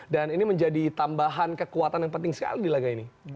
dan ini menjadi tambahan kekuatan yang penting sekali di laga ini